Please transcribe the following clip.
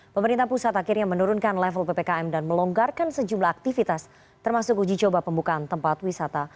pemerintah pusat akhirnya menurunkan level ppkm dan melonggarkan sejumlah aktivitas termasuk uji coba pembukaan tempat wisata